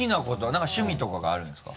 何か趣味とかがあるんですか？